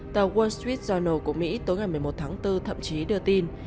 tàu wall street journal của mỹ tối ngày một mươi một tháng bốn thậm chí đưa tin